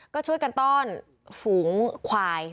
ก็ช่วยกันต้อนฝูงควาย